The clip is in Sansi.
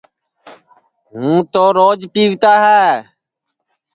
ہوں تو روج پیوتا ہے